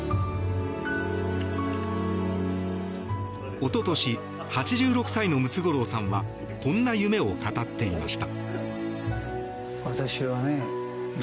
おととし８６歳のムツゴロウさんはこんな夢を語っていました。